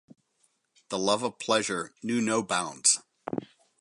The love of pleasure knew no bounds.